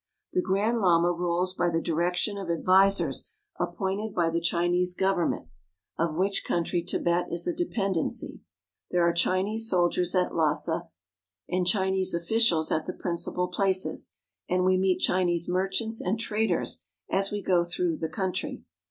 The Grand Lama rules by the direction of advisers ap pointed by the Chinese government, of which country Tibet is a dependency. There are Chinese soldiers at Lassa, and Chinese officials at the principal places, and we meet Chinese merchants and traders as we go through the country.